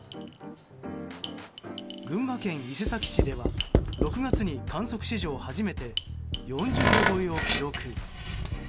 群馬県伊勢崎市では６月に観測史上初めて４０度超えを記録。